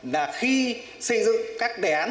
là khi xây dựng các đề án